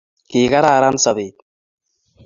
kikarana sobet